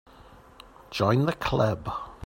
Join the Club.